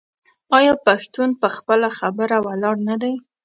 آیا پښتون په خپله خبره ولاړ نه دی؟